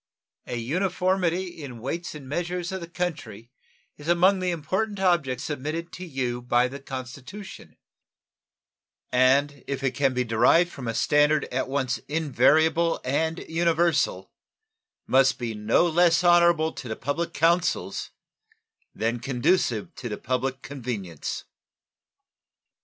An uniformity in the weights and measures of the country is among the important objects submitted to you by the Constitution, and if it can be derived from a standard at once invariable and universal, must be no less honorable to the public councils than conducive to the public convenience.